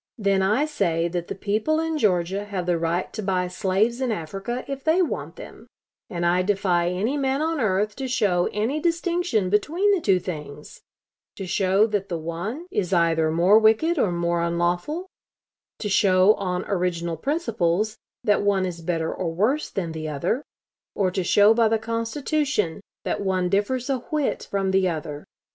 Then I say that the people in Georgia have the right to buy slaves in Africa if they want them, and I defy any man on earth to show any distinction between the two things to show that the one is either more wicked or more unlawful; to show on original principles, that one is better or worse than the other; or to show by the Constitution, that one differs a whit from the other.